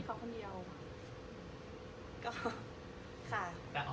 เรามีพบใครไหมคะ